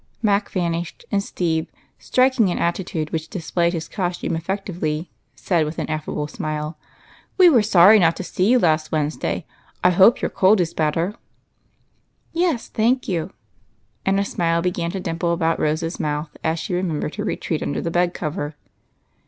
Mac vanished from the room, and Steve, striking an attitude which disj^layed his costume effectively, said with an affable smile, — "We were sorry not to see you last Wednesday. I hope your cold is better." "Yes, thank you." And a smile began to dimple about Rose's mouth as she remembered her retreat under the bed cover.